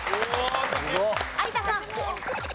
有田さん。